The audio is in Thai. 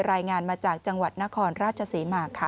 รายงานมาจากจังหวัดนครราชศรีมาค่ะ